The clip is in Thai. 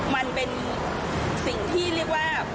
มันเป็นสิ่งที่เรียกว่า